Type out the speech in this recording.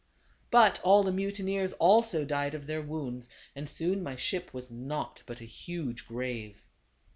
But all the mutineers also died of their wounds, and soon my ship was naught but a huge grave.